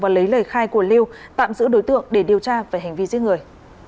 và lấy lời khai của lưu tạm giữ đối tượng để điều tra về hành vi giết người